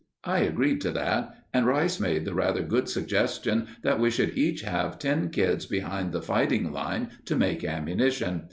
I agreed to that, and Rice made the rather good suggestion that we should each have ten kids behind the fighting line to make ammunition.